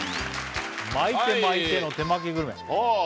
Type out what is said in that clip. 巻いて巻いての手巻きグルメはいああ